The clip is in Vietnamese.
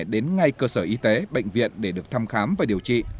đến ngay cơ sở y tế bệnh viện để được thăm khám và điều trị